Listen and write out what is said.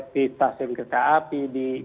di stasiun kereta api di